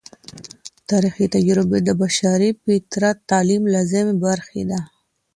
تاریخي تجربې د بشري فطرت د تعلیم لازمي برخه ده.